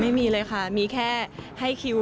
ไม่มีเลยค่ะมีแค่ให้คิว